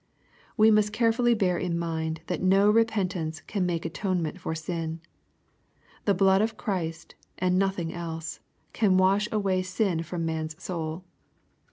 We must carefully bear in mind that no repentance can make atonement for sin. The blood of Christ, and nothing else, can wash away sin from man's soul.